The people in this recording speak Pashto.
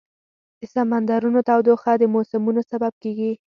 د سمندرونو تودوخه د موسمونو سبب کېږي.